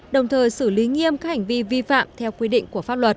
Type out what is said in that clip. đồng thời xử lý nghiêm các hành vi vi phạm theo quy định của pháp luật